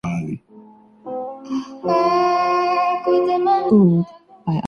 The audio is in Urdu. جہاں باپ اور بھائیوں کو بھینٹ چڑھا دیا جاتا ہے۔